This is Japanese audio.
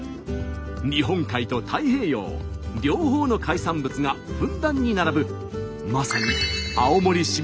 日本海と太平洋両方の海産物がふんだんに並ぶ